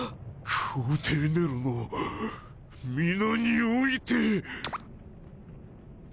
皇帝ネロの御名において。